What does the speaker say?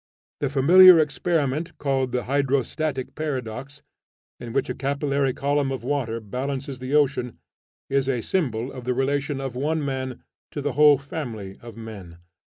The familiar experiment called the hydrostatic paradox, in which a capillary column of water balances the ocean, is a symbol of the relation of one man to the whole family of men.